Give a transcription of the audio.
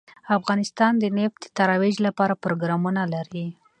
افغانستان د نفت د ترویج لپاره پروګرامونه لري.